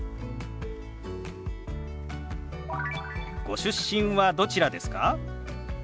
ご出身はどちらですか？